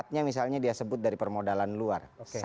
empat nya misalnya dia sebut dari permodalan luar